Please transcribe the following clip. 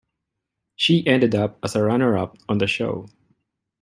She ended up as runner-up on the show.